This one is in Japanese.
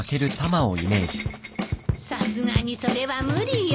さすがにそれは無理よ。